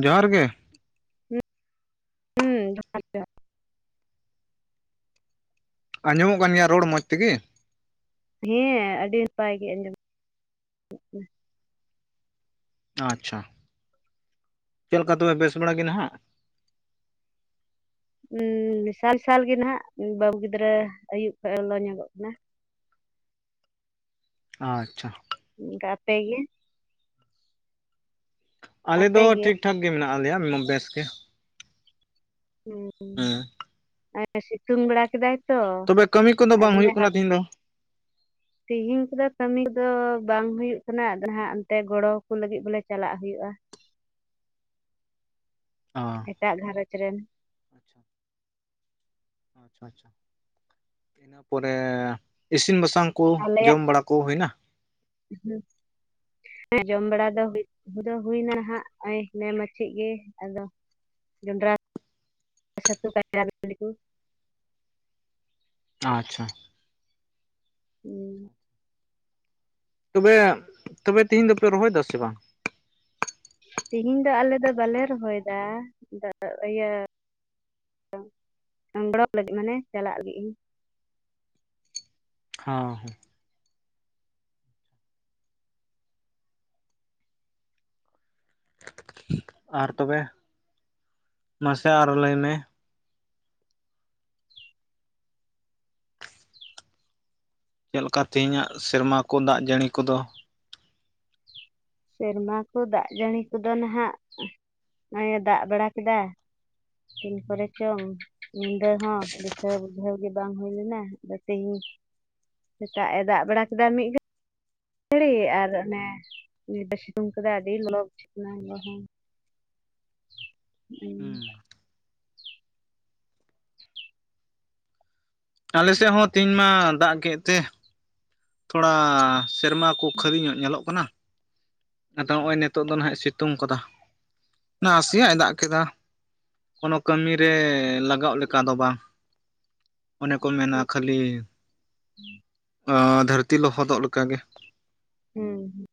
ᱡᱚᱦᱟᱨ ᱜᱮ᱾ ᱦᱩᱸ ᱡᱚᱦᱟᱨ ᱡᱚᱦᱟᱨ ᱜᱮ᱾ ᱟᱸᱡᱚᱢᱚᱜ ᱠᱟᱱ ᱜᱮᱭᱟ ᱨᱚᱲ ᱢᱚᱸᱡᱽ ᱛᱮᱜᱮ᱾ ᱦᱮᱸ ᱟᱹᱰᱤ ᱱᱟᱯᱟᱭ ᱜᱮ ᱟᱸᱡᱚᱢ [unintelligible] ᱟᱪᱪᱷᱟ ᱪᱮᱫ ᱞᱮᱠᱟ ᱛᱚᱵᱮ ᱵᱮᱥ ᱵᱟᱲᱟ ᱜᱮ ᱱᱟᱦᱟᱸᱜ᱾ ᱥᱟᱞ ᱥᱟᱞ ᱜᱮ ᱱᱟᱦᱟᱜ ᱵᱟᱹᱵᱩ ᱜᱤᱫᱽᱨᱟᱹ ᱟᱭᱩᱵ ᱠᱷᱚᱡᱮ ᱞᱚᱞᱚ ᱧᱚᱜᱚᱜ ᱠᱟᱱᱟ᱾ ᱟᱪᱪᱷᱟ ᱚᱱᱠᱟ ᱛᱮ ᱜᱮ, ᱟᱞᱮ ᱫᱚ ᱟᱯᱮᱜᱮ ᱴᱷᱤᱠ ᱴᱷᱟᱠ ᱜᱮ ᱢᱮᱱᱟᱜ ᱞᱮᱭᱟ ᱵᱮᱥ ᱜᱮ᱾ ᱦᱩᱸ ᱦᱮᱸ ᱟᱨ ᱥᱤᱛᱩᱝ ᱵᱟᱲᱟ ᱠᱮᱫᱟᱭ ᱛᱚ ᱛᱚᱵᱮ ᱠᱟᱹᱢᱤ ᱠᱚᱫᱚ ᱵᱟᱝ ᱦᱩᱭᱩᱜ ᱠᱟᱱᱟ ᱛᱤᱦᱤᱧ ᱫᱚ᱾ ᱛᱤᱦᱤᱧ ᱠᱚᱫᱚ ᱠᱟᱹᱢᱤ ᱠᱚᱫᱚ ᱵᱟᱝ ᱦᱩᱭᱩᱜ ᱠᱟᱱᱟ ᱟᱫᱟ ᱦᱟᱸᱜ ᱚᱱᱛᱮ ᱜᱚᱲᱚ ᱠᱚ ᱞᱟᱹᱜᱤᱜ ᱵᱚᱞᱮ ᱪᱟᱞᱟᱜ ᱦᱩᱭᱩᱜ-ᱟ᱾ ᱚ ᱮᱴᱟᱜ ᱜᱷᱟᱨᱚᱸᱡᱽ ᱨᱮᱱ [unintelligible] ᱟᱪᱪᱷᱟ ᱤᱱᱟᱹ ᱯᱚᱨᱮ ᱤᱥᱤᱱ ᱵᱟᱥᱟᱝ ᱠᱩ ᱡᱚᱢ ᱵᱟᱲᱟ ᱠᱩ ᱦᱩᱭᱱᱟ᱾ ᱦᱩᱸ ᱡᱚᱢ ᱵᱟᱲᱟ ᱫᱚ ᱦᱩᱭ ᱫᱚ ᱦᱩᱭᱱᱟ ᱦᱟᱸᱜ ᱱᱚᱜ-ᱚᱭ ᱱᱮ ᱢᱟᱪᱮᱜ ᱜᱮ ᱟᱫᱚ ᱡᱚᱱᱰᱨᱟ ᱪᱷᱟᱛᱩ ᱠᱟᱭᱨᱟ ᱵᱤᱞᱤ ᱠᱩ ᱟᱪᱪᱷᱟ, ᱦᱩᱸ ᱛᱚᱵᱮ ᱛᱚᱵᱮ ᱛᱤᱦᱤᱧ ᱫᱚᱯᱮ ᱨᱚᱦᱚᱭ ᱫᱟ ᱥᱮ ᱵᱟᱝ? ᱛᱤᱦᱤᱧ ᱫᱚ ᱟᱞᱮ ᱫᱚ ᱵᱟᱞᱮ ᱨᱚᱦᱚᱭ ᱫᱟ ᱤᱭᱟᱹ ᱜᱚᱲᱚ ᱞᱟᱹᱜᱤᱫ ᱢᱟᱱᱮ ᱪᱟᱞᱟᱜ ᱞᱟᱹᱜᱤᱜ ᱤᱧ᱾ ᱦᱚᱸ ᱦᱚᱸ ᱟᱨ ᱛᱚᱵᱮ ᱢᱟᱥᱮ ᱟᱨᱚ ᱞᱟᱹᱭ ᱢᱮ᱾ ᱪᱮᱫ ᱞᱮᱠᱟ ᱛᱮᱦᱮᱧ ᱟᱜ ᱥᱮᱨᱢᱟ ᱠᱩ ᱫᱟᱜ ᱡᱟᱹᱲᱤ ᱠᱚᱫᱚ᱾ ᱥᱮᱨᱢᱟ ᱠᱚ ᱫᱟᱜ ᱡᱟᱹᱲᱤ ᱠᱚᱫᱚ ᱱᱟᱦᱟᱜ ᱱᱚᱜ-ᱚᱭ ᱮ ᱫᱟᱜ ᱵᱟᱲᱟ ᱠᱮᱫᱟ᱾ ᱛᱤᱱ ᱠᱚᱨᱮ ᱪᱚᱝ ᱧᱤᱫᱟᱹ ᱦᱚᱸ ᱫᱤᱥᱟᱹ ᱵᱩᱡᱷᱟᱹᱣ ᱜᱮ ᱵᱟᱝ ᱦᱩᱭ ᱞᱮᱱᱟ ᱟᱫᱚ ᱛᱮᱦᱮᱧ ᱥᱮᱛᱟᱜ ᱮ ᱫᱟᱜ ᱵᱟᱲᱟ ᱠᱮᱫᱟ ᱢᱤᱫ ᱜᱷᱟᱹ- ᱲᱤᱜ ᱟᱨ ᱚᱱᱮ ᱱᱤᱛ ᱫᱚᱭ ᱥᱤᱛᱩᱝ ᱠᱟᱫᱟᱭ ᱟᱹᱰᱤ ᱞᱚᱞᱚ ᱵᱩᱡᱷᱟᱹᱜ ᱠᱟᱱᱟ ᱚᱱᱟ ᱦᱚᱸ ᱦᱩᱸ ᱟᱞᱮᱥᱮᱜ ᱦᱚᱸ ᱛᱮᱦᱮᱧ ᱢᱟ ᱫᱟᱜ ᱠᱮᱜ ᱛᱮ ᱛᱷᱚᱲᱟ ᱥᱮᱨᱢᱟ ᱠᱩ ᱠᱷᱟᱹᱞᱤ ᱧᱚᱜ ᱧᱮᱞᱚᱜ ᱠᱟᱱᱟ᱾ ᱟᱫᱚ ᱱᱚᱜ-ᱚᱭ ᱱᱤᱛᱚᱜ ᱫᱚ ᱱᱟᱦᱟᱜ ᱥᱤᱛᱩᱝ ᱠᱟᱫᱟ ᱱᱟᱥᱮᱭᱟᱜ ᱮ ᱫᱟᱜ ᱠᱮᱫᱟ᱾ ᱠᱳᱱᱳ ᱠᱟᱹᱢᱤ ᱨᱮ ᱞᱟᱜᱟᱜ ᱞᱮᱠᱟ ᱫᱚ ᱵᱟᱝ᱾ ᱚᱱᱮ ᱠᱚ ᱢᱮᱱᱟ ᱠᱷᱟᱹᱞᱤ ᱫᱷᱟᱹᱨᱛᱤ ᱞᱚᱦᱚᱫᱚᱜ ᱞᱮᱠᱟ ᱜᱮ᱾ ᱦᱩᱸ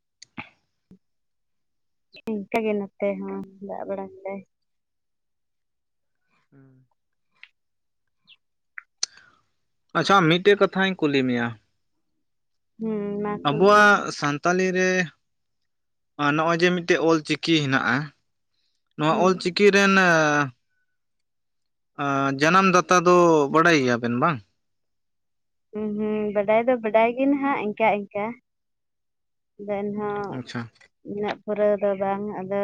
ᱤᱱᱠᱟᱹ ᱜᱮ ᱱᱚᱛᱮ ᱦᱚᱸ ᱫᱟᱜ ᱵᱟᱲᱟ ᱠᱟᱫᱟᱭ᱾ ᱦᱩᱸ᱾ ᱟᱪᱪᱷᱟ, ᱢᱤᱫᱴᱮᱡ ᱠᱟᱛᱷᱟᱧ ᱠᱩᱞᱤ ᱢᱮᱭᱟ᱾ ᱦᱩᱸ, ᱢᱟ ᱠᱩᱞᱤᱧ ᱟᱵᱚᱣᱟᱜ ᱥᱟᱱᱛᱟᱞᱤ ᱨᱮ ᱱᱚᱜᱼᱚᱭ ᱡᱮ ᱢᱤᱫᱴᱮᱡ ᱚᱞᱪᱤᱠᱤ ᱦᱮᱱᱟᱜᱼᱟ᱾ ᱱᱚᱣᱟ ᱢᱮ ᱚᱞᱪᱤᱠᱤ ᱨᱮᱱ ᱟᱻ ᱡᱟᱱᱟᱢ ᱫᱟᱛᱟ ᱫᱚ ᱵᱟᱰᱟᱭ ᱜᱮᱭᱟᱵᱮᱱ ᱵᱟᱝ? ᱦᱩᱸ ᱦᱩᱸ ᱵᱟᱰᱟᱭ ᱫᱚ ᱵᱟᱰᱟᱭ ᱜᱮ ᱱᱟᱦᱟᱜ ᱤᱱᱠᱟ ᱤᱱᱠᱟ᱾ ᱟᱫᱚ ᱮᱱᱦᱚᱸ ᱟᱪᱪᱷᱟ ᱩᱱᱟᱹᱜ ᱯᱩᱨᱟᱹᱣ ᱫᱚ ᱵᱟᱝ ᱟᱫᱚ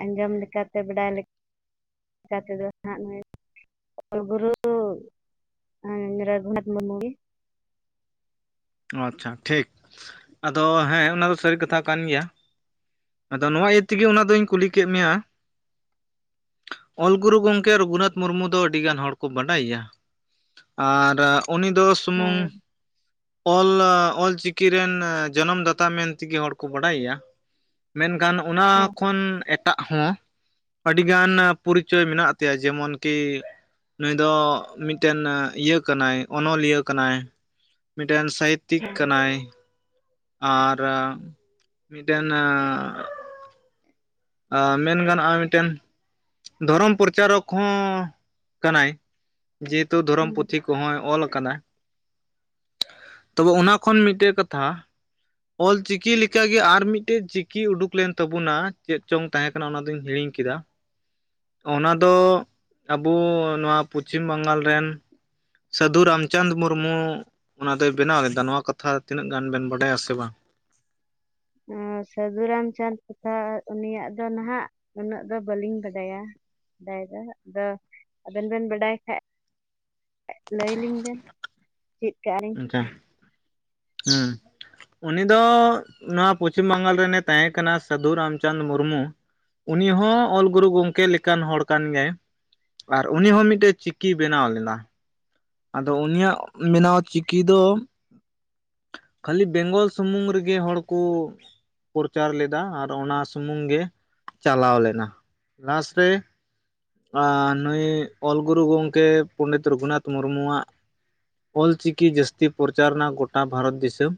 ᱟᱸᱡᱚᱢ ᱞᱮᱠᱟᱛᱮ ᱵᱟᱰᱟᱭ ᱞᱮᱠᱟ ᱞᱮᱠᱟ ᱛᱮᱫᱚ ᱦᱟᱸᱜ ᱱᱩᱭ ᱚᱞᱜᱩᱨᱩ ᱨᱟᱜᱷᱩᱱᱟᱛ ᱢᱩᱨᱢᱩ ᱜᱤ᱾ ᱟᱪᱪᱷᱟ ᱴᱷᱤᱠ, ᱟᱫᱚ ᱦᱮᱸ ᱚᱱᱟ ᱫᱚ ᱥᱟᱹᱨᱤ ᱠᱟᱛᱷᱟ ᱠᱟᱱ ᱜᱮᱭᱟ᱾ ᱟᱫᱚ ᱱᱚᱣᱟ ᱤᱭᱟᱹ ᱛᱮᱜᱮ ᱚᱱᱟ ᱫᱚᱧ ᱠᱩᱞᱤ ᱠᱮᱫ ᱢᱮᱭᱟ᱾ ᱚᱞ ᱜᱩᱨᱩ ᱜᱚᱝᱠᱮ ᱨᱚᱜᱷᱩᱱᱟᱛᱷ ᱢᱩᱨᱢᱩ ᱫᱚ ᱟᱹᱰᱤ ᱜᱟᱱ ᱦᱚᱲ ᱠᱚ ᱵᱟᱰᱟᱭᱮᱭᱟ᱾ ᱟᱨ ᱩᱱᱤ ᱫᱚ ᱥᱩᱢᱩᱝ ᱦᱳᱭ ᱚᱞ ᱚᱞᱪᱤᱠᱤ ᱨᱮᱱ ᱡᱚᱱᱚᱢ ᱫᱟᱛᱟ ᱢᱮᱱ ᱛᱮᱜᱮ ᱦᱚᱲ ᱠᱚ ᱵᱟᱰᱟᱭᱮᱭᱟ᱾ ᱢᱮᱱᱠᱷᱟᱱ ᱚᱱᱟ ᱦᱳᱭ ᱠᱷᱚᱱ ᱮᱴᱟᱜ ᱦᱚᱸ ᱟᱹᱰᱤᱜᱟᱱ ᱯᱚᱨᱤᱪᱚᱭ ᱢᱮᱱᱟᱜ ᱛᱟᱭᱟ, ᱡᱮᱢᱚᱱ ᱠᱤ ᱱᱩᱭ ᱫᱚ ᱢᱤᱫᱴᱮᱱ ᱤᱭᱟᱹ ᱠᱟᱱᱟᱭ ᱚᱱᱚᱞᱤᱭᱟᱹ ᱠᱟᱱᱟᱭ᱾ ᱢᱤᱫᱴᱮᱱ ᱥᱟᱦᱤᱛᱛᱤᱠ ᱦᱮᱸ ᱠᱟᱱᱟᱭ᱾ ᱟᱨ ᱢᱤᱫᱴᱮᱱ ᱟᱻ ᱢᱮᱱ ᱜᱟᱱᱚᱜᱼᱟ ᱢᱤᱫᱴᱮᱱ ᱫᱷᱚᱨᱚᱢ ᱯᱚᱨᱪᱟᱨᱚᱠ ᱦᱚᱸ ᱠᱟᱱᱟᱭ᱾ ᱡᱮᱦᱮᱛᱩ ᱫᱷᱚᱨᱚᱢ ᱦᱳᱭ᱾ ᱯᱩᱛᱷᱤ ᱠᱚᱦᱚᱸᱭ ᱚᱞ ᱟᱠᱟᱫᱟ᱾ ᱛᱚᱵᱮ ᱚᱱᱟ ᱠᱷᱚᱱ ᱢᱤᱫᱴᱮᱱ ᱠᱟᱛᱷᱟ ᱚᱞ ᱪᱤᱠᱤ ᱞᱮᱠᱟᱜᱮ ᱟᱨ ᱢᱤᱫᱴᱮᱡ ᱪᱤᱠᱤ ᱩᱰᱩᱠ ᱞᱮᱱ ᱛᱟᱵᱩᱱᱟ ᱪᱮᱫ ᱪᱚᱝ ᱛᱟᱦᱮᱸ ᱠᱟᱱᱟ ᱚᱱᱟ ᱫᱩᱧ ᱦᱤᱲᱤᱧ ᱠᱮᱫᱟ᱾ ᱚᱱᱟ ᱫᱚ ᱟᱵᱩ ᱱᱚᱣᱟ ᱯᱚᱪᱷᱤᱢ ᱵᱟᱝᱜᱟᱞ ᱨᱮᱱ ᱥᱟᱹᱫᱷᱩ ᱨᱟᱢᱪᱟᱸᱫᱽ ᱢᱩᱨᱢᱩ ᱚᱱᱟ ᱫᱚᱭ ᱵᱮᱱᱟᱣ ᱞᱮᱫᱟ ᱱᱚᱣᱟ ᱠᱟᱛᱷᱟ ᱛᱤᱱᱟᱹᱜ ᱜᱟᱱ ᱵᱮᱱ ᱵᱟᱰᱟᱭᱟ ᱥᱮ ᱵᱟᱝ? ᱥᱟᱹᱫᱷᱩ ᱨᱟᱢᱪᱟᱸᱫᱽ ᱠᱚᱷᱟ ᱩᱱᱤᱭᱟᱜ ᱫᱚ ᱱᱟᱦᱟᱜ ᱩᱱᱟᱹᱜ ᱫᱚ ᱵᱟᱹᱞᱤᱧ ᱵᱟᱰᱟᱭᱟ, ᱵᱟᱰᱟᱭ ᱫᱚ ᱟᱫᱚ ᱟᱵᱮᱱ ᱵᱮᱱ ᱵᱟᱰᱟᱭ ᱠᱷᱟᱡ᱾ ᱞᱟᱹᱭᱞᱤᱧ ᱵᱮᱱ ᱪᱮᱫ ᱠᱟᱜᱼᱟ ᱞᱤᱧ᱾ [unintelligible] ᱦᱩᱸ᱾ ᱩᱱᱤ ᱫᱚ ᱱᱚᱣᱟ ᱯᱚᱪᱷᱤᱢ ᱵᱟᱝᱜᱟᱞ ᱨᱮᱱᱮ ᱛᱟᱦᱮᱸ ᱠᱟᱱᱟ ᱥᱟᱹᱫᱷᱩ ᱨᱟᱢᱪᱟᱸᱫᱽ ᱢᱩᱨᱢᱩ᱾ ᱩᱱᱤ ᱦᱚᱸ ᱚᱞ ᱜᱩᱨᱩ ᱜᱚᱝᱠᱮ ᱞᱮᱠᱟᱱ ᱦᱚᱲ ᱠᱟᱱ ᱜᱮᱭᱟᱭ᱾ ᱟᱨ ᱩᱱᱤ ᱦᱚᱸ ᱢᱤᱫᱴᱮᱡ ᱪᱤᱠᱤᱭ ᱵᱮᱱᱟᱣ ᱞᱮᱫᱟ᱾ ᱟᱫᱚ ᱩᱱᱤᱭᱟᱜ ᱵᱮᱱᱟᱣ ᱪᱤᱠᱤ ᱫᱚ ᱠᱷᱟᱹᱞᱤ ᱵᱮᱝᱜᱚᱞ ᱥᱩᱢᱩᱝ ᱨᱮᱜᱮ ᱦᱚᱲ ᱠᱚ ᱯᱚᱨᱪᱟᱨ ᱞᱮᱫᱟ ᱟᱨ ᱚᱱᱟ ᱥᱩᱢᱩᱝ ᱜᱮ ᱪᱟᱞᱟᱣ ᱞᱮᱱᱟ᱾ ᱞᱟᱥ ᱨᱮ ᱱᱩᱭ ᱚᱞ ᱜᱩᱨᱩ ᱜᱚᱢᱠᱮ ᱯᱚᱱᱰᱤᱛ ᱨᱚᱜᱷᱩᱱᱟᱛᱷ ᱢᱩᱨᱢᱩᱣᱟᱜ ᱚᱞᱪᱤᱠᱤ ᱡᱟᱹᱥᱛᱤ ᱯᱚᱨᱪᱟᱨᱱᱟ ᱜᱚᱴᱟ ᱵᱷᱟᱨᱚᱛ ᱫᱤᱥᱟᱹᱢ᱾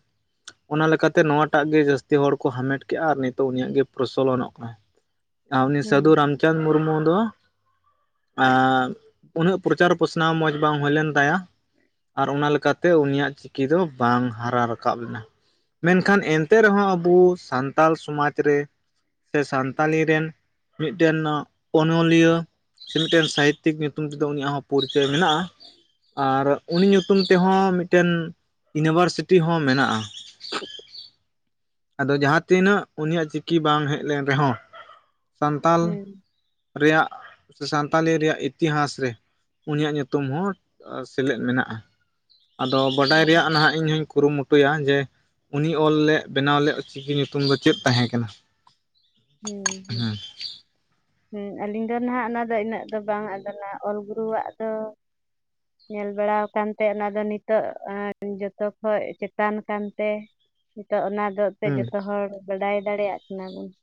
ᱚᱱᱟ ᱞᱮᱠᱟᱛᱮ ᱱᱚᱣᱟᱴᱟᱜ ᱜᱮ ᱡᱟᱹᱥᱛᱤ ᱦᱚᱲ ᱠᱚ ᱦᱟᱢᱮᱴ ᱠᱮᱜᱼᱟ ᱟᱨ ᱱᱤᱛᱚᱜ ᱩᱱᱤᱭᱟᱜ ᱜᱮ ᱯᱨᱚᱥᱚᱞᱚᱱᱚᱜ ᱠᱟᱱᱟ᱾ ᱟᱨ ᱩᱱᱤ ᱦᱩᱸ ᱥᱟᱫᱷᱩᱨᱟᱢ ᱪᱟᱸᱫᱽ ᱢᱩᱨᱢᱩ ᱫᱚ ᱩᱱᱟᱹᱜ ᱯᱨᱚᱪᱟᱨ ᱯᱚᱥᱱᱟᱣ ᱢᱚᱡᱽ ᱵᱟᱝ ᱦᱳ ᱞᱮᱱ ᱛᱟᱭᱟ ᱟᱨ ᱚᱱᱟ ᱞᱮᱠᱟᱛᱮ ᱩᱱᱤᱭᱟᱜ ᱪᱤᱠᱤ ᱫᱚ ᱵᱟᱝ ᱦᱟᱨᱟ ᱨᱟᱠᱟᱵ ᱞᱮᱱᱟ ᱾ ᱢᱮᱱᱠᱷᱟᱱ ᱮᱱᱛᱮ ᱨᱮᱦᱚᱸ ᱟᱵᱚ ᱥᱟᱱᱛᱟᱲ ᱥᱚᱢᱟᱡᱽ ᱨᱮ ᱥᱮ ᱥᱟᱱᱛᱟᱞᱤ ᱨᱮᱱ ᱢᱤᱫᱴᱮᱱ ᱚᱱᱚᱞᱤᱭᱟᱹ ᱥᱮ ᱢᱤᱫᱴᱮᱱ ᱥᱟᱦᱤᱛᱛᱤᱠ ᱧᱩᱛᱩᱢ ᱛᱮᱫᱚ ᱩᱱᱤᱭᱟᱜ ᱦᱚᱸ ᱯᱚᱨᱤᱪᱚᱭ ᱢᱮᱱᱟᱜᱼᱟ ᱾ ᱟᱨ ᱩᱱᱤ ᱧᱩᱛᱩᱢ ᱛᱮᱦᱚᱸ ᱢᱤᱫᱴᱮᱱ ᱤᱱᱤᱵᱷᱟᱨᱥᱤᱴᱤ ᱦᱚᱸ ᱢᱮᱱᱟᱜᱼᱟ ᱾ ᱟᱫᱚ ᱡᱟᱦᱟᱸ ᱛᱤᱱᱟᱹᱜ ᱩᱱᱤᱭᱟᱜ ᱪᱤᱠᱤ ᱵᱟᱝ ᱦᱮᱡ ᱞᱮᱱ ᱨᱮᱦᱚᱸ ᱥᱟᱱᱛᱟᱞ ᱦᱩᱸ ᱨᱮᱭᱟᱜ ᱥᱮ ᱥᱟᱱᱛᱟᱞᱤ ᱨᱮᱭᱟᱜ ᱤᱛᱤᱦᱟᱥ ᱨᱮ ᱩᱱᱤᱭᱟᱜ ᱧᱩᱛᱩᱢ ᱦᱚᱸ ᱥᱮᱞᱮᱫ ᱢᱮᱱᱟᱜᱼᱟ ᱾ ᱟᱫᱚ ᱵᱟᱰᱟᱭ ᱦᱳᱭ ᱨᱮᱭᱟᱜ ᱱᱟᱸᱜ ᱤᱧ ᱦᱩᱧ ᱠᱩᱨᱩᱢᱩᱴᱩᱭᱟ ᱡᱮ ᱩᱱᱤ ᱚᱞ ᱞᱮᱜ ᱵᱮᱱᱟᱣ ᱞᱮᱜ ᱪᱤᱠᱤ ᱧᱩᱛᱩᱢ ᱫᱚ ᱪᱮᱜ ᱛᱟᱦᱮᱸ ᱠᱟᱱᱟ ᱾ ᱦᱩᱸ ᱦᱩᱸ ᱦᱩᱸ ᱟᱹᱞᱤᱧ ᱫᱚ ᱱᱟᱦᱟᱜ ᱚᱱᱟ ᱫᱚ ᱤᱱᱟᱹᱜ ᱫᱚ ᱵᱟᱝ ᱟᱫᱚᱞᱟ ᱚᱞ ᱜᱩᱨᱩᱣᱟᱜ ᱫᱚ ᱧᱮᱞ ᱵᱟᱲᱟᱣ ᱟᱠᱟᱱᱛᱮ ᱚᱱᱟ ᱫᱚ ᱱᱤᱛᱚᱜ ᱡᱚᱛᱚ ᱠᱷᱚᱡ ᱪᱮᱛᱟᱱ ᱠᱟᱱᱛᱮ ᱾ ᱱᱤᱛᱚᱜ ᱚᱱᱟ ᱫᱚᱜ ᱛᱮ ᱡᱚᱛᱚ ᱦᱚᱲ ᱵᱟᱰᱟᱭ ᱫᱟᱲᱮᱭᱟᱜ ᱠᱟᱱᱟ ᱵᱚᱱ ᱾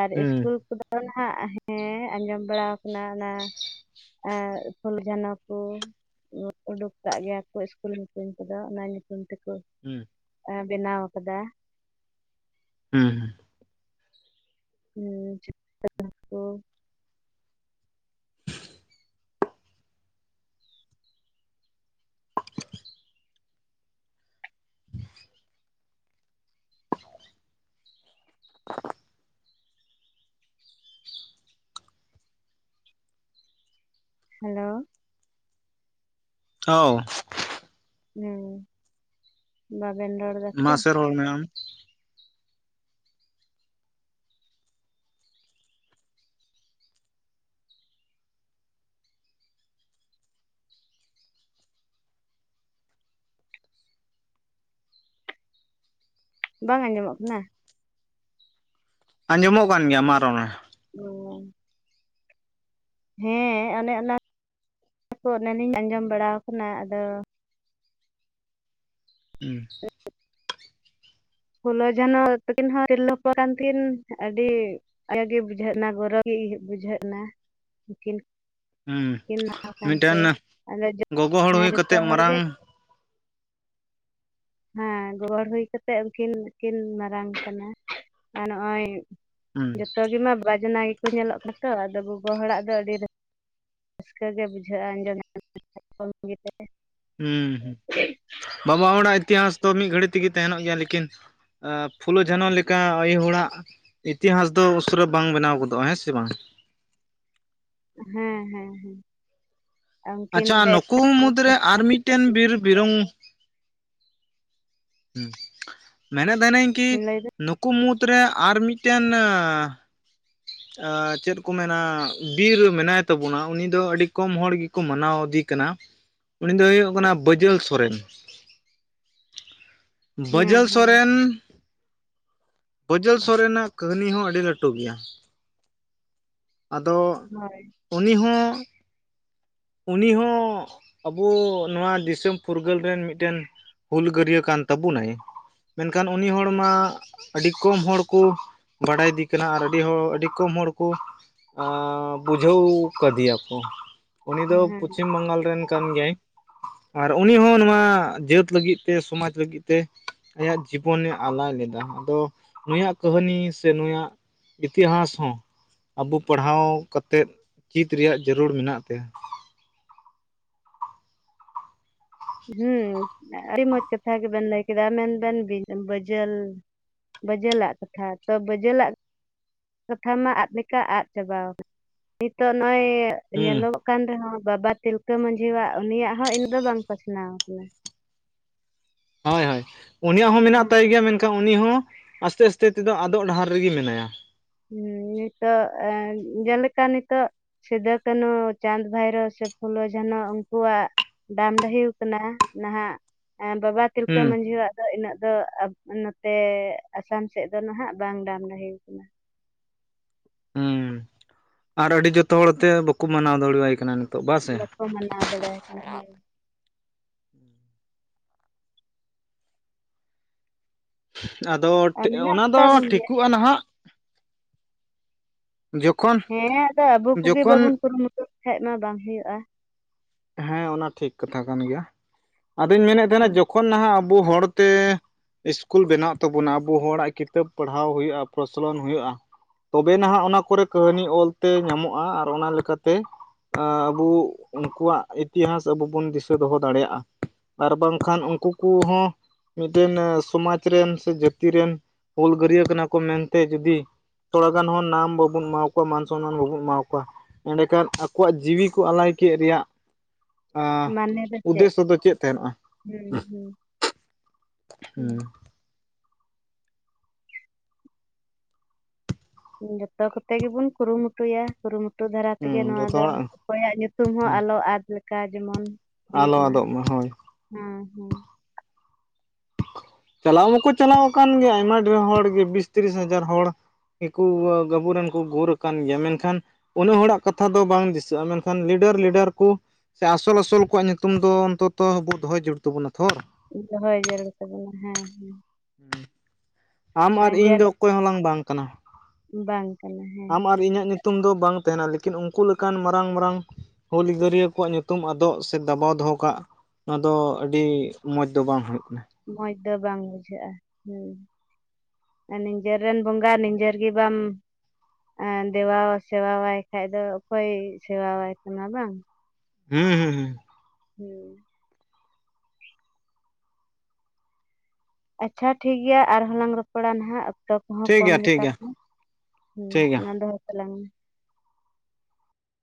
ᱟᱨ ᱦᱩᱸ ᱤᱥᱠᱩᱞ ᱠᱚᱫᱚ ᱱᱟᱦᱟᱜ ᱦᱮᱸ ᱟᱸᱡᱚᱢ ᱵᱟᱲᱟᱣ ᱠᱟᱱᱟ ᱚᱱᱟ ᱾ [inaudible] ᱯᱷᱩᱞ ᱡᱷᱟᱱᱚ ᱠᱩ ᱩ ᱩᱰᱩᱠ ᱠᱟᱜ ᱜᱮᱭᱟ ᱠᱚ ᱤᱥᱠᱩᱞ ᱧᱩᱛᱩᱢ ᱠᱚᱫᱚ ᱚᱱᱟ ᱧᱩᱛᱩᱢ ᱛᱮᱠᱚ ᱾ ᱦᱩᱸ ᱟ ᱵᱮᱱᱟᱣ ᱟᱠᱟᱫᱟ ᱾ ᱦᱩᱸ ᱦᱩᱸ ᱾ ᱦᱩᱸ [inaudible] ᱠᱚ ᱾ [inaudible] ᱦᱮᱞᱳ ᱟᱣ ᱦᱩᱸ ᱵᱟᱵᱮᱱ ᱨᱚᱲ ᱫᱟᱛᱚ ᱢᱟᱥᱮ ᱨᱚᱲ ᱢᱮ ᱟᱢ? ᱵᱟᱝ ᱟᱸᱡᱚᱢᱚᱜ ᱠᱟᱱᱟ? ᱟᱸᱡᱚᱢᱚᱜ ᱠᱟᱱ ᱜᱮᱭᱟ ᱢᱟ ᱨᱚᱲ ᱢᱮ ᱾ [inaudible] ᱦᱮᱸ ᱚᱱᱮ ᱚᱱᱟ ᱠᱚ ᱚᱱᱟᱞᱤᱧ ᱟᱸᱡᱚᱢ ᱵᱟᱲᱟᱣ ᱠᱟᱱᱟ ᱟᱫᱚ ᱾ [inaudible] [inaudible] ᱯᱷᱩᱞᱚ ᱡᱷᱟᱱᱚ ᱛᱟᱠᱤᱱ ᱦᱚᱸ ᱛᱤᱨᱞᱟᱹ [inaudible] ᱠᱟᱱ ᱠᱤᱱ ᱟᱹᱰᱤ ᱟᱭᱟᱜ ᱜᱤ ᱵᱩᱡᱷᱟᱹᱜᱼᱱᱟ ᱜᱚᱨᱚ ᱜᱤ ᱵᱩᱡᱷᱟᱹᱜᱼᱱᱟ ᱱᱩᱠᱤᱱ ᱦᱩᱸ ᱾ ᱠᱤᱱ [inaudible] ᱠᱟᱱᱛᱮ ᱢᱤᱫᱴᱮᱱ ᱟᱫᱚ ᱡᱚᱜ ᱜᱚᱜᱚ ᱦᱚᱲ ᱦᱮᱸ ᱦᱩᱭ ᱡᱚᱛᱚ ᱠᱟᱛᱮᱫ ᱦᱚᱲᱜᱮ ᱢᱟᱨᱟᱝ ᱾ ᱦᱮᱸ [inaudible] ᱦᱩᱭ ᱠᱟᱛᱮᱜ ᱩᱱᱠᱤᱱ ᱠᱤᱱ ᱢᱟᱨᱟᱝ ᱠᱟᱱᱟ ᱟᱨ ᱱᱚᱜᱼᱚᱭ ᱦᱩᱸ ᱡᱚᱛᱚ ᱜᱮᱢᱟ ᱵᱟᱡᱽᱱᱟᱭ ᱜᱮᱠᱚ ᱧᱮᱞᱚᱜ ᱠᱟᱱᱟ ᱛᱚ ᱟᱫᱚ ᱜᱚᱜᱚ ᱦᱚᱲᱟᱜ ᱫᱚ ᱟᱹᱰᱤ ᱨᱟᱹ ᱨᱟᱹᱥᱠᱟᱹ ᱜᱮ ᱵᱩᱡᱷᱟᱹᱜᱼᱟ [inaudible] ᱦᱩᱸ ᱦᱩᱸᱜ ᱵᱟᱵᱟ ᱦᱚᱲᱟᱜ ᱤᱛᱤᱦᱟᱥ ᱛᱚ ᱢᱤᱫ ᱜᱷᱟᱹᱲᱤ ᱛᱮᱜᱮ ᱛᱟᱦᱮᱱᱚᱜ ᱜᱮᱭᱟ ᱞᱤᱠᱤᱱ ᱟᱹ ᱯᱷᱩᱞᱚ ᱡᱷᱟᱱᱚ ᱞᱮᱠᱟ ᱟᱭᱳ ᱦᱚᱲᱟᱜ ᱤᱛᱤᱦᱟᱥ ᱫᱚ ᱩᱥᱟᱹᱨᱟ ᱵᱟᱝ ᱵᱮᱱᱟᱣ ᱜᱚᱫᱚᱜᱼᱟ ᱦᱮᱸ ᱥᱮ ᱵᱟᱝ? ᱦᱮᱸ ᱦᱮᱸ ᱦᱮᱸ ᱾ ᱟᱪᱪᱷᱟ ᱱᱩᱠᱩ ᱢᱩᱫᱽ ᱨᱮ ᱟᱨ ᱢᱤᱫᱴᱮᱱ ᱵᱤᱨ ᱵᱤᱨᱚᱝ ᱦᱩᱸ ᱢᱮᱱᱮᱫ ᱛᱟᱦᱮᱱᱟᱹᱧ ᱠᱤ ᱞᱟᱹᱭᱫᱟ ᱱᱩᱠᱩ ᱢᱩᱫᱽᱨᱮ ᱟᱨ ᱢᱤᱫᱴᱮᱱ [inaudible] ᱟᱻ ᱪᱮᱫ ᱠᱚ ᱢᱮᱱᱟ ᱵᱤᱨ ᱢᱮᱱᱟᱭ ᱛᱟᱵᱩᱱᱟ ᱩᱱᱤ ᱫᱚ ᱟᱹᱰᱤ ᱠᱚᱢ ᱦᱚᱲ ᱜᱤᱠᱚ ᱢᱟᱱᱟᱣ ᱤᱫᱤ ᱠᱟᱱᱟ ᱾ ᱩᱱ ᱫᱚᱭ ᱦᱩᱭᱩᱜ ᱠᱟᱱᱟ ᱵᱟᱹᱡᱟᱹᱞ ᱥᱚᱨᱮᱱ ᱾ ᱦᱮᱸ ᱵᱟᱹᱡᱟᱹᱞ ᱦᱮᱸ ᱥᱚᱨᱮᱱ, ᱵᱟᱹᱡᱟᱹᱞ ᱥᱚᱨᱮᱱᱟᱜ ᱠᱟᱹᱦᱱᱤ ᱦᱚᱸ ᱟᱹᱰᱤ ᱞᱟᱹᱴᱩ ᱜᱮᱭᱟ᱾ ᱟᱫᱚ ᱦᱚᱭ ᱾ ᱩᱱᱤ ᱦᱚᱸ ᱩᱱᱤ ᱦᱚᱸ ᱟᱵᱚ ᱱᱚᱣᱟ ᱫᱤᱥᱚᱢ ᱯᱷᱩᱨᱜᱟᱹᱞ ᱨᱮᱱ ᱢᱤᱫᱴᱮᱱ ᱦᱩᱞ ᱜᱟᱹᱨᱭᱟᱹ ᱠᱟᱱ ᱛᱟᱵᱚᱱᱟᱭ, ᱢᱮᱱᱠᱷᱟᱱ ᱩᱱᱤ ᱦᱚᱲ ᱢᱟ ᱟᱹᱰᱤ ᱠᱚᱢ ᱦᱚᱲ ᱠᱚ ᱵᱟᱰᱟᱭᱤᱫᱤ ᱠᱟᱱᱟ ᱟᱨ ᱟᱹᱰᱤ ᱦᱚᱲ ᱟᱹᱰᱤ ᱠᱚᱢ ᱦᱚᱲ ᱠᱚ ᱟᱸᱻᱻ ᱵᱩᱡᱷᱟᱹᱣ ᱠᱟᱫᱮᱭᱟᱠᱚ ᱩᱱᱤ ᱫᱚ ᱦᱮᱸ ᱦᱮᱸ ᱯᱚᱪᱷᱤᱢ ᱵᱟᱝᱜᱟᱞ ᱨᱮᱱ ᱠᱟᱱ ᱜᱮᱭᱟᱭ᱾ ᱟᱨ ᱩᱱᱤ ᱦᱚᱸ ᱱᱚᱣᱟ ᱡᱟᱹᱛ ᱞᱟᱹᱜᱤᱫ ᱛᱮ ᱥᱚᱢᱟᱡᱽ ᱞᱟᱹᱜᱤᱫ ᱛᱮ ᱟᱭᱟᱜ ᱡᱤᱵᱚᱱᱮ ᱟᱞᱟᱭ ᱞᱮᱫᱟ ᱟᱫᱚ ᱩᱱᱤᱭᱟᱜ ᱠᱟᱹᱦᱱᱤ ᱥᱮ ᱱᱩᱭᱟᱜ ᱤᱛᱤᱦᱟᱥ ᱦᱚᱸ ᱟᱵᱩ ᱯᱟᱲᱦᱟᱣ ᱠᱟᱛᱮᱫ ᱪᱤᱫ ᱨᱮᱭᱟᱜ ᱡᱟᱹᱨᱩᱲ ᱢᱮᱱᱟᱜ ᱛᱟᱭᱟ, ᱦᱮᱸ ᱟᱹᱰᱤ ᱢᱚᱡᱽ ᱠᱟᱛᱷᱟ ᱜᱮᱵᱮᱱ ᱞᱟᱹᱭ ᱠᱮᱫᱟ ᱢᱮᱱᱵᱮᱱ ᱵᱟᱹᱡᱟᱹᱞ ᱵᱟᱹᱡᱟᱹᱟᱜ ᱠᱟᱛᱷᱟ ᱛᱚ ᱵᱟᱹᱡᱟᱹᱞᱟᱜ ᱠᱟᱛᱷᱟ ᱢᱟ ᱟᱫ ᱞᱮᱠᱟ ᱟᱫ ᱪᱟᱵᱟ ᱟᱠᱟᱱ ᱱᱤᱛᱚᱜ ᱱᱚᱜᱼᱚᱭ ᱦᱩᱸ ᱧᱮᱞᱚᱜ ᱠᱟᱱ ᱨᱮᱦᱚᱸ ᱵᱟᱵᱟ ᱛᱤᱞᱠᱟᱹ ᱢᱟᱺᱡᱷᱤᱣᱟᱜ ᱩᱱᱤᱭᱟᱜ ᱦᱚᱸ ᱤᱱᱟᱹᱜ ᱫᱚ ᱵᱟᱝ ᱯᱟᱥᱱᱟᱣ ᱟᱠᱟᱱᱟ ᱾ ᱦᱳᱭ ᱦᱳᱭ ᱩᱱᱤᱭᱟᱜ ᱦᱚᱸ ᱢᱮᱱᱟᱜ ᱦᱮᱸ, ᱛᱟᱭ ᱜᱮᱭᱟ ᱢᱮᱱ ᱮᱱᱠᱷᱟᱱ ᱩᱱᱤ ᱦᱚᱸ ᱟᱥᱛᱮ ᱟᱥᱛᱮ ᱛᱮᱫᱚ ᱟᱫᱚᱜ ᱰᱟᱦᱟᱨ ᱨᱮᱜᱮ ᱢᱮᱱᱟᱭᱟ᱾ ᱦᱮᱸ ᱱᱤᱛᱚᱜ ᱮ ᱡᱮᱞᱮᱠᱟ ᱱᱤᱛᱚᱜ ᱥᱤᱫᱚ ᱠᱟᱱᱩ ᱪᱟᱸᱫᱽ ᱵᱷᱟᱭᱨᱳ ᱥᱮ ᱯᱷᱩᱞᱳ ᱡᱷᱟᱱᱚ ᱩᱱᱠᱩᱣᱟᱜ ᱰᱟᱢ ᱰᱟᱹᱦᱤᱣ ᱠᱟᱱᱟ ᱱᱟᱦᱟᱜ ᱵᱟᱵᱟ ᱛᱤᱞᱠᱟᱹ ᱦᱩᱸ ᱢᱟᱺᱡᱷᱤᱭᱣᱟᱜ ᱤᱱᱟᱹᱜ ᱫᱚ ᱱᱚᱛᱮ ᱟᱥᱟᱢ ᱥᱮᱫ ᱫᱚ ᱱᱟᱦᱟᱜ ᱵᱟᱝ ᱰᱟᱢ ᱰᱟᱦᱮ ᱣᱟᱠᱟᱱᱟ ᱾ ᱦᱩᱸ ᱟᱨ ᱟᱹᱰᱤ ᱡᱚᱛᱚ ᱦᱚᱲ ᱛᱮ ᱵᱟᱠᱚ ᱢᱟᱱᱟᱣ ᱫᱟᱲᱮᱣᱟᱭ ᱠᱟᱱᱟ ᱱᱤᱛᱚᱜ ᱵᱟ ᱥᱮ ᱾ ᱵᱟᱠᱚ ᱢᱟᱱᱟᱣ ᱫᱟᱲᱮᱭᱟᱭ ᱠᱟᱱᱟ ᱦᱳᱭ ᱾ ᱟᱫᱚ ᱟᱨ ᱢᱮᱱᱟᱜ ᱚᱱᱟ ᱫᱚ ᱠᱚᱛᱟ ᱵᱚᱱ ᱜᱮᱭᱟ ᱴᱷᱤᱠᱩᱜᱼᱟ ᱱᱟᱦᱟᱜ ᱡᱚᱠᱷᱚᱱ ᱦᱮᱸ ᱟᱫᱚ ᱟᱵᱚ ᱠᱚᱜᱮ ᱡᱚᱠᱷᱚᱱ ᱵᱟᱵᱚᱱ ᱠᱩᱨᱩᱢᱩᱴᱩ ᱞᱮᱠᱟᱱᱡ ᱢᱟ ᱵᱟᱝ ᱦᱩᱭᱩᱜᱼᱟ ᱾ ᱦᱮᱸ ᱚᱱᱟ ᱴᱷᱤᱠ ᱠᱟᱛᱷᱟ ᱠᱟᱱ ᱜᱮᱭᱟ ᱟᱫᱚᱧ ᱢᱮᱱᱮᱫ ᱛᱟᱦᱮᱱᱟ ᱡᱚᱠᱷᱚᱱ ᱱᱟᱦᱟᱜ ᱟᱵᱚ ᱦᱚᱲᱛᱮ ᱤᱥᱠᱩᱞ ᱵᱮᱱᱟᱜ ᱛᱟᱵᱚᱱᱟ ᱟᱵᱚ ᱦᱚᱲᱟᱜ ᱠᱤᱛᱟᱹᱵ ᱯᱟᱲᱦᱟᱣ ᱦᱩᱭᱩᱜᱼᱟ ᱯᱨᱚᱪᱚᱞᱚᱱ ᱦᱩᱭᱩᱜᱼᱟ, ᱛᱚᱵᱮ ᱱᱟᱦᱟᱸᱜ ᱚᱱᱟ ᱠᱚᱨᱮ ᱠᱟᱹᱦᱱᱤ ᱚᱞᱛᱮ ᱧᱟᱢᱚᱜᱼᱟ, ᱟᱨ ᱚᱱᱟ ᱞᱮᱠᱟᱛᱮ ᱟᱸᱻ ᱟᱵᱩ ᱩᱱᱠᱩᱣᱟᱜ ᱤᱛᱤᱦᱟᱥ ᱟᱵᱚ ᱵᱩᱱ ᱫᱤᱥᱟᱹ ᱫᱚᱦᱚ ᱫᱟᱲᱮᱭᱟᱜᱼᱟ, ᱟᱨ ᱵᱟᱝᱠᱷᱟᱱ ᱩᱱᱠᱩ ᱠᱚᱦᱚᱸ ᱢᱤᱫᱴᱮᱱ ᱥᱚᱢᱟᱡᱽ ᱨᱮᱱ ᱥᱮ ᱡᱟᱹᱛᱤ ᱨᱮᱱ ᱦᱩᱞᱜᱟᱹᱨᱭᱟᱹ ᱠᱟᱱᱟ ᱠᱚ ᱢᱮᱱᱛᱮ ᱡᱚᱫᱤ ᱛᱷᱚᱲᱟ ᱜᱟᱱ ᱦᱚᱸ ᱱᱟᱢ ᱵᱟᱵᱩᱱ ᱮᱢᱟᱣ ᱠᱩᱣᱟ ᱢᱟᱱ ᱥᱚᱱᱢᱟᱱ ᱵᱟᱵᱩᱱ ᱮᱢᱟ ᱠᱩᱣᱟ, ᱮᱸᱰᱮ ᱠᱷᱟᱱ ᱟᱠᱚᱣᱟᱜ ᱡᱤᱣᱤ ᱠᱚ ᱟᱞᱟᱭ ᱠᱮᱫ ᱨᱮᱭᱟᱜ ᱟᱸᱻ ᱢᱟᱱᱮ ᱫᱚ ᱩᱫᱽᱫᱮᱥᱥᱚ ᱫᱚ ᱪᱮᱫ ᱛᱟᱦᱮᱱᱚᱜᱼᱟ᱾ ᱦᱩᱸ ᱦᱩᱸ ᱦᱩᱸ ᱡᱚᱛᱚ ᱠᱚᱛᱮ ᱜᱮᱵᱩᱱ ᱠᱩᱨᱩᱢᱩᱴᱩᱭᱟ ᱠᱩᱨᱩᱢᱩᱴᱩ ᱠᱩᱨᱩᱢᱩᱴᱩ ᱫᱷᱟᱨᱟ ᱛᱮᱜᱮ ᱦᱩᱸ ᱱᱚᱣᱟ ᱡᱚᱛᱚ ᱫᱚ ᱦᱚᱲᱟᱜ ᱚᱠᱚᱭᱟᱜ ᱧᱩᱛᱩᱢ ᱦᱚᱸ ᱦᱩᱸ ᱟᱞᱚ ᱟᱫ ᱞᱮᱠᱟ ᱡᱮᱢᱚᱱ ᱦᱩᱭᱩᱜ ᱟᱞᱚ ᱢᱟ ᱟᱫᱚᱜ ᱦᱳᱭ ᱾ᱦᱮᱸ ᱦᱮᱸ ᱪᱟᱞᱟᱣ ᱢᱟᱠᱚ ᱪᱟᱞᱟᱣ ᱟᱠᱟᱱ ᱜᱮᱭᱟ ᱟᱭᱢᱟ ᱰᱷᱮᱨ ᱦᱚᱲᱜᱮ ᱵᱤᱥ ᱛᱤᱨᱤᱥ ᱦᱟᱡᱟᱨ ᱦᱚᱲ, [inaudible] ᱟᱹᱵᱩᱨᱮᱱ ᱠᱚ ᱜᱩᱨ ᱟᱠᱟᱱ ᱜᱮᱭᱟ ᱢᱮᱱᱠᱷᱟᱱ ᱩᱱᱟᱹᱜ ᱦᱚᱲᱟᱜ ᱠᱟᱛᱷᱟ ᱫᱚ ᱵᱟᱝ ᱫᱤᱥᱟᱹᱜᱼᱟ ᱢᱮᱱᱠᱷᱟᱱ ᱞᱤᱰᱟᱨ ᱞᱤᱰᱟᱨ ᱠᱚ ᱥᱮ ᱟᱥᱚᱞ ᱟᱥᱚᱞ ᱠᱚᱣᱟᱜ ᱧᱩᱛᱩᱢ ᱫᱚ ᱚᱱᱛᱚᱛᱚ ᱟᱵᱳᱣᱟᱜ ᱫᱚᱦᱭ ᱡᱟᱹᱨᱩᱲ ᱛᱟᱵᱚᱱᱟ ᱛᱷᱚ᱾ ᱫᱚᱦᱚᱭ ᱡᱟᱹᱨᱩᱲ ᱛᱟᱵᱚᱱᱟ᱾ ᱦᱮᱸ ᱦᱮᱸ, ᱟᱢ ᱟᱨ ᱤᱧ ᱫᱚ ᱚᱠᱚᱭ ᱦᱚᱸᱞᱟᱝ ᱵᱟᱝ ᱠᱟᱱᱟ ᱵᱟᱝ ᱠᱟᱱᱟ ᱦᱮᱸ ᱾ ᱟᱢ ᱟᱨ ᱤᱧᱟᱹᱜ ᱧᱩᱛᱩᱢ ᱫᱚ ᱵᱟᱝ ᱛᱟᱦᱮᱱᱟ ᱞᱮᱠᱤᱱ ᱩᱱᱠᱩ ᱞᱮᱠᱟᱱ ᱢᱟᱨᱟᱝ ᱢᱟᱨᱟᱝ ᱦᱩᱞ ᱜᱤᱨᱭᱟᱹ ᱠᱚᱣᱟᱜ ᱧᱩᱛᱩᱢ ᱟᱫᱚᱜ ᱥᱮ ᱫᱟᱵᱟᱣ ᱫᱚᱦᱚ ᱠᱟᱜ ᱱᱚᱣᱟ ᱫᱚ ᱟᱹᱰᱤ ᱢᱚᱡᱽ ᱫᱚ ᱵᱟᱝ ᱦᱩᱭᱩᱜ ᱠᱟᱱᱟ᱾ ᱢᱚᱸᱡᱽ ᱫᱚ ᱵᱟᱝ ᱵᱩᱡᱷᱟᱹᱜᱼᱟ, ᱦᱩᱸ᱾ ᱱᱤᱡᱮᱨ ᱨᱮᱱ ᱵᱚᱸᱜᱟ ᱱᱤᱡᱮᱨ ᱜᱮ ᱵᱟᱢ ᱮᱸ ᱫᱮᱵᱟ ᱥᱮᱵᱟ ᱟᱭ ᱠᱷᱟᱡ ᱫᱚ ᱚᱠᱚᱭ ᱥᱮᱵᱟᱣᱟᱭ ᱛᱟᱢᱟ ᱵᱟᱝ᱾ ᱦᱩᱸ, ᱦᱩᱸ, ᱦᱩᱸ᱾ ᱦᱩᱸ᱾ ᱟᱪᱪᱷᱟ ᱴᱷᱤᱠ ᱜᱮᱭᱟ ᱟᱨᱦᱚᱸᱞᱟᱝ ᱨᱚᱯᱚᱲᱟ ᱱᱟᱦᱟᱜ᱾ ᱚᱠᱛᱚ ᱠᱚᱦᱚᱸ ᱴᱷᱤᱠ ᱠᱚᱢ ᱜᱮᱭᱟ ᱴᱷᱤᱠ ᱜᱮᱛᱟ ᱜᱮᱭᱟ ᱯᱮᱭᱟ ᱦᱩᱸ ᱴᱷᱤᱠ ᱜᱮᱭᱟ ᱢᱟ ᱫᱚᱦᱚᱭ ᱛᱟᱞᱟᱝ ᱢᱮ᱾